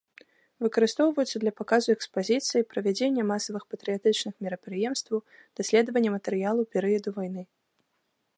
Выкарыстоўваюцца для паказу экспазіцыі, правядзення масавых патрыятычных мерапрыемстваў, даследавання матэрыялаў перыяду вайны.